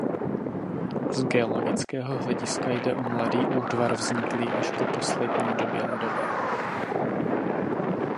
Z geologického hlediska jde o mladý útvar vzniklý až po poslední době ledové.